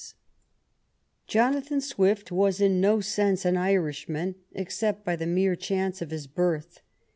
222 JONATHAN SWIFT Jonathan Swift was in no sense an Irishman, except by the mere chance of his birth.